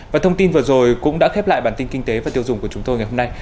và thông tin vừa rồi cũng đã khép lại bản tin kinh tế và tiêu dùng của chúng tôi ngày hôm nay